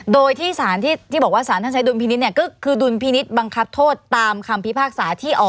โดยที่สารที่บอกว่าสารท่านใช้ดุลพินิษฐ์เนี่ยก็คือดุลพินิษฐ์บังคับโทษตามคำพิพากษาที่ออก